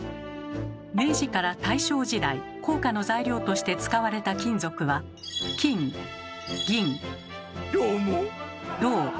明治から大正時代硬貨の材料として使われた金属はどーも。